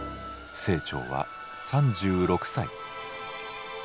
清張は３６歳。